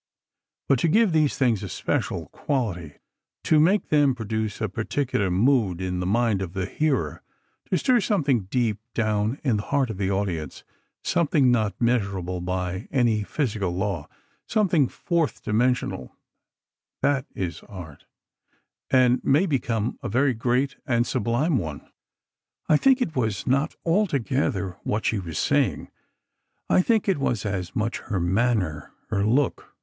But to give these things a special quality—to make them produce a particular mood in the mind of the hearer—to stir something deep down in the heart of the audience—something not measurable by any physical law—something fourth dimensional—that is art, and may become a very great and sublime one." I think it was not altogether what she was saying; I think it was as much her manner, her look